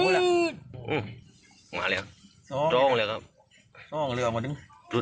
อืมมาแล้วสองเลยครับสองเลยเอามาดึงลุ้น